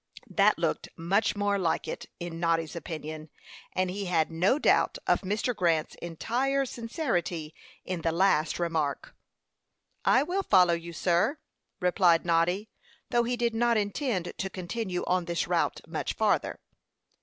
That looked much more like it, in Noddy's opinion, and he had no doubt of Mr. Grant's entire sincerity in the last remark. "I will follow you, sir," replied Noddy, though he did not intend to continue on this route much farther.